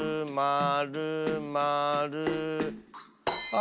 あ！